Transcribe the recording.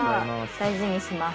大事にします。